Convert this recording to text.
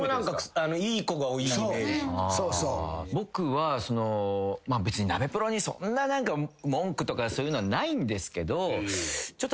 僕は別にナベプロに文句とかそういうのはないんですけど。